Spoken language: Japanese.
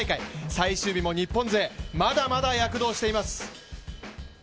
最終日も日本勢、まだまだ躍動しています。